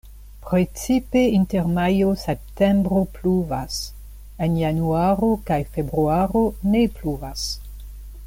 Precipe inter majo-septembro pluvas; en januaro kaj februaro ne pluvas.